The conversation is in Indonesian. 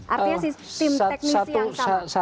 artinya si tim teknis yang sama